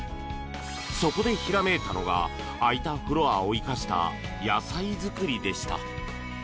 そこでひらめいたのが空いたフロアを生かした野菜作りでした。